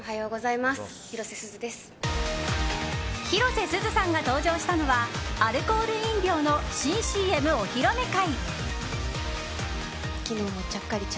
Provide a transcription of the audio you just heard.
広瀬すずさんが登場したのはアルコール飲料の新ＣＭお披露目会。